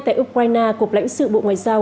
tại ukraine cục lãnh sự bộ ngoại giao